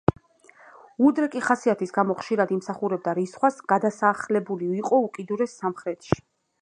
უდრეკი ხასიათის გამო ხშირად იმსახურებდა რისხვას, გადასახლებული იყო უკიდურეს სამხრეთში.